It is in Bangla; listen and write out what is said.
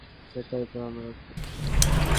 সেটা তো আমারও প্রশ্ন।